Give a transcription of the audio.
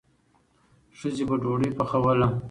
ښځې به ډوډۍ پخوله.